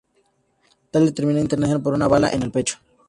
Dale termina internado por una bala en el pecho.